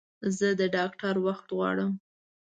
زه د ډاکټر وخت غواړم